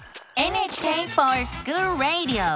「ＮＨＫｆｏｒＳｃｈｏｏｌＲａｄｉｏ」！